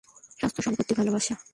স্বাস্থ্য, সম্পত্তি, ভালোবাসা।